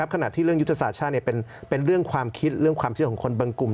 ขณะที่เรื่องยุทธศาสตร์ชาติเป็นเรื่องความคิดเรื่องความเชื่อของคนบางกลุ่ม